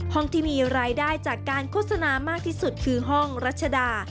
ที่มีรายได้จากการโฆษณามากที่สุดคือห้องรัชดา